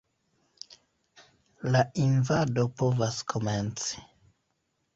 La invado povas komenci.